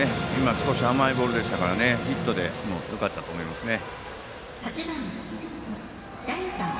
少し甘いボールでしたからヒットでもよかったと思いますね。